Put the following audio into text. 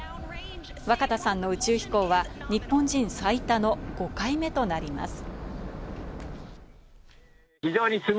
若田さんの宇宙飛行は日本人最多の５回目となります。